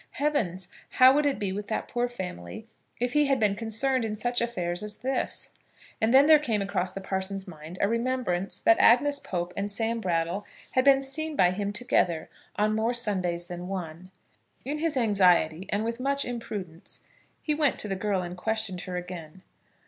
Heavens! how would it be with that poor family if he had been concerned in such an affair as this! And then there came across the parson's mind a remembrance that Agnes Pope and Sam Brattle had been seen by him together, on more Sundays than one. In his anxiety, and with much imprudence, he went to the girl and questioned her again.